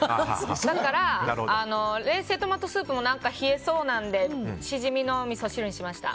だから、冷製トマトスープも冷えそうなのでシジミのみそ汁にしました。